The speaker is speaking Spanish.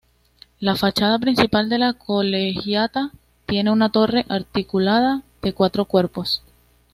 La fachada principal de la Colegiata tiene una torre articulada en cuatro cuerpos.